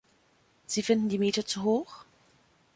Sie finden die Miete zu hoch?